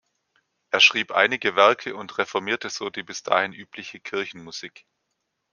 Er schrieb einige Werke und reformierte so die bis dahin übliche Kirchenmusik.